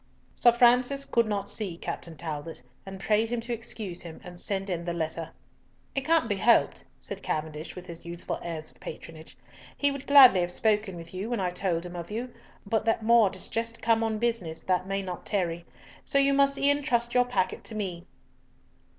"Sir Francis could not see Captain Talbot, and prayed him to excuse him, and send in the letter." "It can't be helped," said Cavendish, with his youthful airs of patronage. "He would gladly have spoken with you when I told him of you, but that Maude is just come on business that may not tarry. So you must e'en entrust your packet to me."